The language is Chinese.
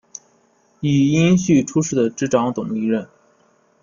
以荫叙出仕的直长等历任。